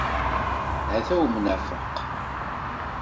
Ata umnafeq!